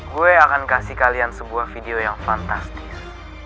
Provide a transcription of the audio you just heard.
gue akan kasih kalian sebuah video yang fantastis